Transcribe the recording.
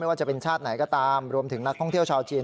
ว่าจะเป็นชาติไหนก็ตามรวมถึงนักท่องเที่ยวชาวจีน